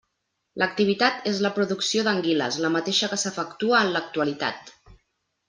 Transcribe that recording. L'activitat és la producció d'anguiles, la mateixa que s'efectua en l'actualitat.